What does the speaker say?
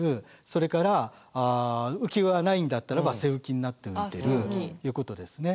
それから浮き輪がないんだったらば背浮きになって浮いてるということですね。